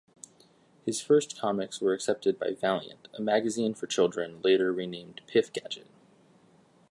His first comics were accepted by "Vaillant", a magazine for children later renamed "Pif-Gadget".